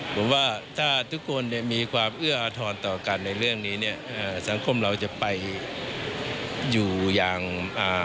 ผมว่าถ้าทุกคนเนี่ยมีความเอื้ออาทรต่อกันในเรื่องนี้เนี้ยเอ่อสังคมเราจะไปอยู่อย่างอ่า